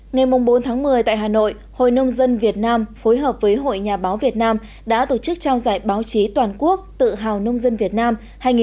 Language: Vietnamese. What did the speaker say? ngày bốn tháng một mươi tại hà nội hội nông dân việt nam phối hợp với hội nhà báo việt nam đã tổ chức trao giải báo chí toàn quốc tự hào nông dân việt nam hai nghìn một mươi tám hai nghìn một mươi chín